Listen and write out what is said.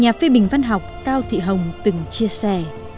nhà phê bình văn học cao thị hồng từng chia sẻ